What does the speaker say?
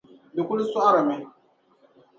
di kul sɔhirimi.